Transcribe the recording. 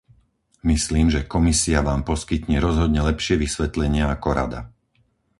Myslím, že Komisia Vám poskytne rozhodne lepšie vysvetlenie ako Rada.